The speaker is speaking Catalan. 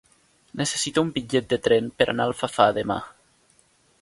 Necessito un bitllet de tren per anar a Alfafar demà.